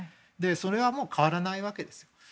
それはもう変わらないわけです。